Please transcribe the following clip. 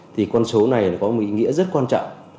thì con số này có một ý nghĩa rất quan trọng